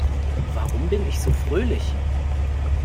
Warum bin ich so fröhlich?